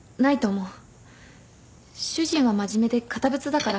主人は真面目で堅物だから。